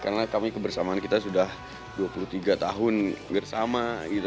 karena kami kebersamaan kita sudah dua puluh tiga tahun bersama gitu